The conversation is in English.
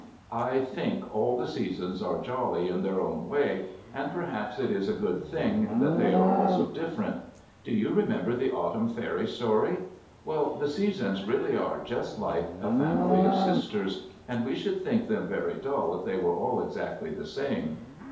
I think all the Seasons are jolly in their own way, and perhaps it is a good thing that they are all so different. Do you remember the Autumn fairy story? Well the Seasons really are just like a family of sisters, and we should find them very dull if they were all exactly the same.